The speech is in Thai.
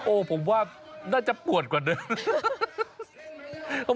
ผมว่าน่าจะปวดกว่าเดิม